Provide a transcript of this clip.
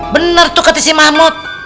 benar tuh kata si mahmud